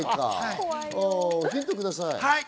ヒントください。